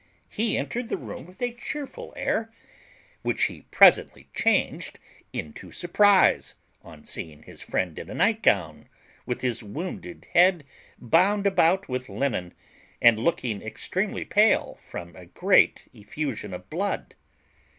He entered the room with a chearful air, which he presently changed into surprize on seeing his friend in a night gown, with his wounded head bound about with linen, and looking extremely pale from a great effusion of blood.